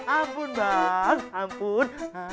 ampun bang ampun